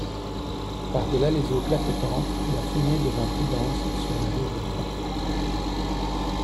Par delà les eaux clapotantes, la fumée devint plus dense, sur la rive droite.